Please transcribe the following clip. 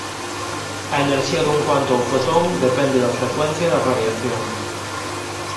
A enerxía dun cuanto ou fotón depende da frecuencia da radiación.